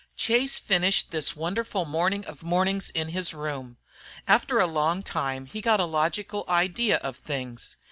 Chase finished this wonderful morning of mornings in his room. After a long time he got a logical idea of things.